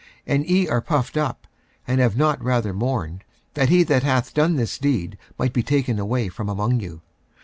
46:005:002 And ye are puffed up, and have not rather mourned, that he that hath done this deed might be taken away from among you.